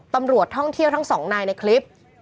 ตำรวจท่องเที่ยวทั้งสองนายในคลิป